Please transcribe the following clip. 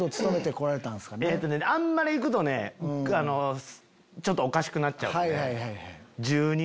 あんまり行くとねちょっとおかしくなっちゃうので。